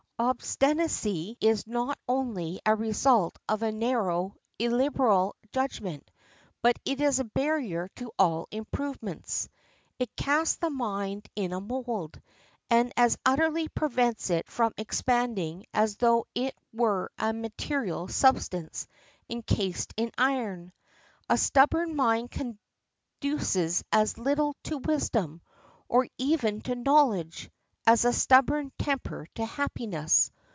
Obstinacy is not only a result of a narrow, illiberal judgment, but it is a barrier to all improvements. It casts the mind in a mold, and as utterly prevents it from expanding as though it were a material substance encased in iron. A stubborn mind conduces as little to wisdom, or even to knowledge, as a stubborn temper to happiness.